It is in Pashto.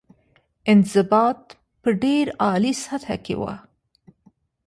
انضباط په ډېره عالي سطح کې وه.